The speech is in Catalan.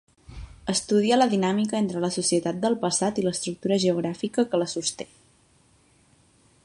Estudia la dinàmica entre la societat del passat i l'estructura geogràfica que la sosté.